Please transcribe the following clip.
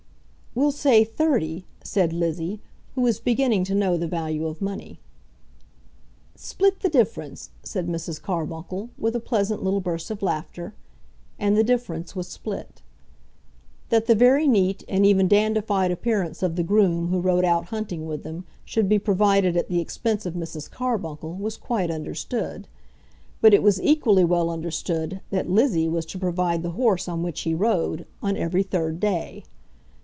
"We'll say thirty," said Lizzie, who was beginning to know the value of money. "Split the difference," said Mrs. Carbuncle, with a pleasant little burst of laughter, and the difference was split. That the very neat and even dandified appearance of the groom who rode out hunting with them should be provided at the expense of Mrs. Carbuncle was quite understood; but it was equally well understood that Lizzie was to provide the horse on which he rode, on every third day.